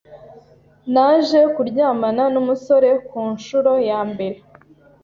naje kuryamana n’umusore ku nshuro ya mbere